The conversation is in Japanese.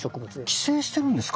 寄生してるんですか。